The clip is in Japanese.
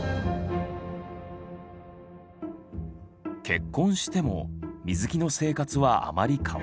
結婚しても水木の生活はあまり変わらなかった。